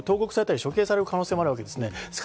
投獄されたり処刑される可能性もあるわけです。